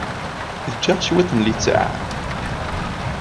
Eg-aɣ cwiṭ n littseɛ.